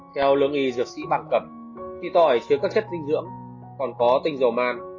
theo lương nghi diệt sĩ bạc cẩm khi tỏi chứa các chất dinh dưỡng còn có tinh dầu man